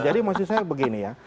jadi maksud saya begini ya